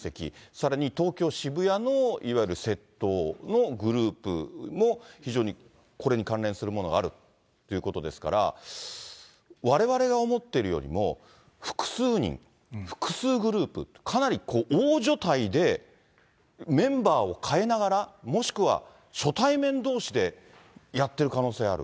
さらに東京・渋谷のいわゆる窃盗のグループも、非常にこれに関連するものがあるっていうことですから、われわれが思っているよりも、複数人、複数グループ、かなり大所帯でメンバーを変えながら、もしくは初対面どうしでやってる可能性ある？